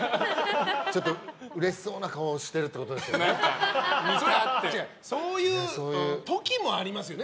ちょっとうれしそうな顔してるってことですよね。